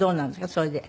それで。